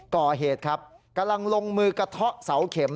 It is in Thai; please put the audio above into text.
ก่อเหตุครับกำลังลงมือกระเทาะเสาเข็ม